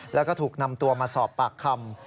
แล้วก็ถูกนำตัวมาสอบปากคำ